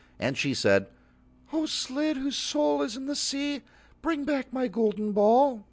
And she said: "O Slid, whose soul is in the sea, bring back my golden ball."